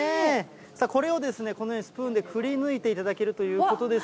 さあ、これをこのようにスプーンでくりぬいていただけるということです